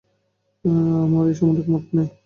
আমার এই সম্বন্ধে মত নেই।